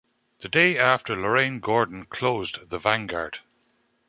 The day after, Lorraine Gordon closed the Vanguard.